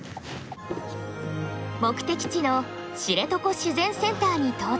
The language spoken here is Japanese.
目的地の知床自然センターに到着。